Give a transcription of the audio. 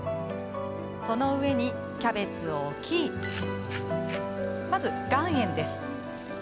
その上に、キャベツを置きまず岩塩です。